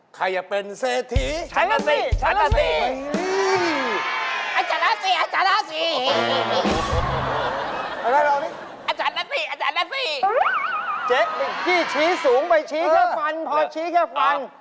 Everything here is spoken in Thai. เจ๊เป็นนี่ชี้สูงเปิดชี้แค่ฟันพอกชี้แค่ฟัน